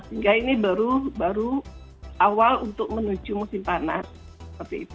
sehingga ini baru baru awal untuk menuju musim panas